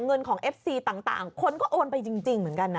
เงินของเอฟซีต่างคนก็โอนไปจริงเหมือนกันนะ